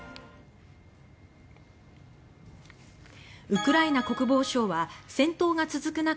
ウクライナ国防省は戦闘が続く中